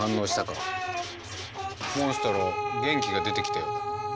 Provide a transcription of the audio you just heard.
モンストロ元気が出てきたようだ。